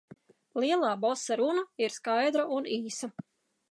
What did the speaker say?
Lielā bosa runa ir skaidra un īsa.